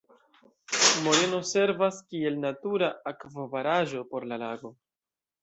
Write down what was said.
Moreno servas kiel natura akvobaraĵo por la lago.